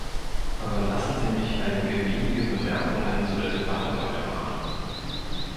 Aber lassen Sie mich einige wenige Bemerkungen zu der Debatte heute machen.